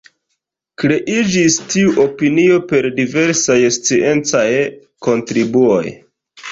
Kreiĝis tiu opinio per diversaj sciencaj kontribuoj.